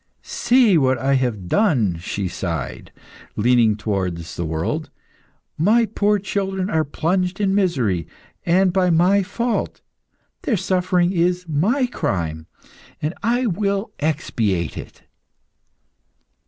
"'See what I have done!' she sighed, leaning towards the world. 'My poor children are plunged in misery, and by my fault. Their suffering is my crime, and I will expiate it.